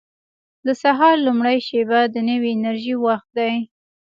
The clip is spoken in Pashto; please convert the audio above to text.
• د سهار لومړۍ شېبه د نوې انرژۍ وخت دی.